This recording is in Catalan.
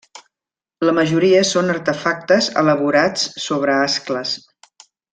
La majoria són artefactes elaborats sobre ascles.